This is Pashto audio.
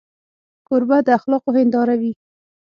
کوربه د اخلاقو هنداره وي.